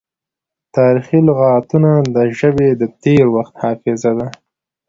تاریخي لغتونه د ژبې د تیر وخت حافظه ده.